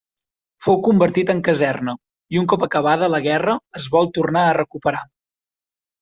Fou convertit en caserna i un cop acabada la guerra es vol tornar a recuperar.